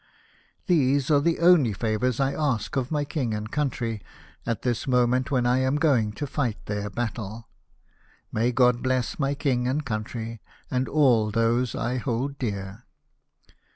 " These are the only favours I ask of my King and country, at this moment when I am going to fight their battle. May God bless my King and country, and all those I hold dear